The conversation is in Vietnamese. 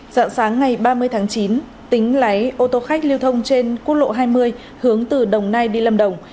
dạng sáng ngày ba mươi tháng chín tính lái ô tô khách lưu thông trên quốc lộ hai mươi hướng từ đồng nai đi lâm đồng